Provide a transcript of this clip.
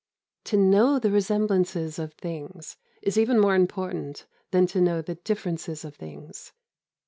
To know the resemblances of things is even more important than to know the differences of things.